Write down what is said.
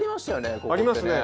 ここってね。ありますね。